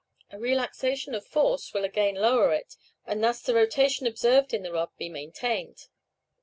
A relaxation of force will again lower it, and thus the rotation observed in the rod be maintained.